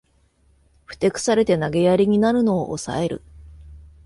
ふてくされて投げやりになるのをおさえる